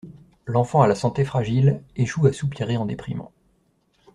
L'enfant à la santé fragile échoue à soupirer en déprimant.